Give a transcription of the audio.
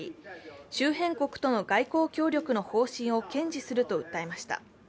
周辺国と外交極力の方針を堅持すると訴えました。